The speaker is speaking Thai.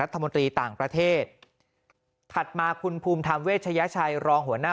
รัฐมนตรีต่างประเทศถัดมาคุณภูมิธรรมเวชยชัยรองหัวหน้า